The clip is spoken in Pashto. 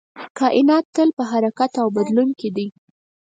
کائنات تل په حرکت او بدلون کې دی.